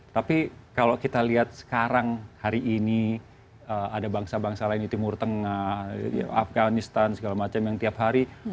tapi kalau kita lihat sekarang hari ini ada bangsa bangsa lain di timur tengah afganistan segala macam yang tiap hari